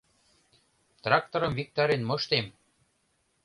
Тракторым виктарен моштем!